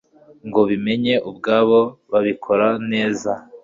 ngo bimenye ubwabo babikore neza